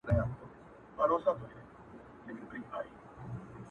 خدایه مینه د قلم ورکي په زړو کي ,